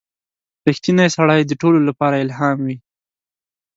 • رښتینی سړی د ټولو لپاره الهام وي.